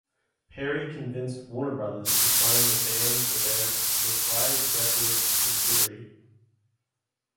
Perry convinced Warner Brothers to sign the band to their Reprise Records subsidiary.